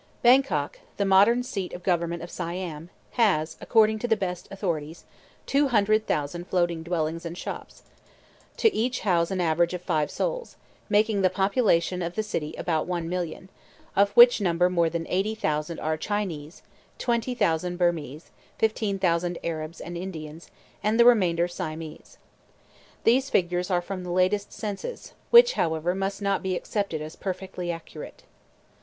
Bangkok, the modern seat of government of Siam, has (according to the best authorities) two hundred thousand floating dwellings and shops, to each house an average of five souls, making the population of the city about one million; of which number more than eighty thousand are Chinese, twenty thousand Birmese, fifteen thousand Arabs and Indians, and the remainder Siamese. These figures are from the latest census, which, however, must not be accepted as perfectly accurate.